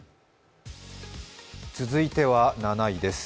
続いては７位です。